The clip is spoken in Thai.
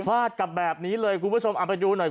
กับแบบนี้เลยคุณผู้ชมเอาไปดูหน่อย